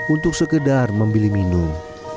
untuk sekedar membeli minum